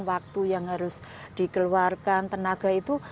waktu yang harus dikeluarkan tenaga itu